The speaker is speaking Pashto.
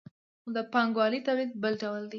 خو د پانګوالي تولید بل ډول دی.